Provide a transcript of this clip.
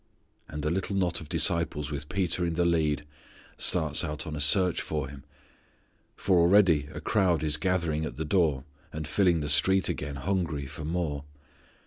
And a little knot of disciples with Peter in the lead starts out on a search for Him, for already a crowd is gathering at the door and filling the street again, hungry for more.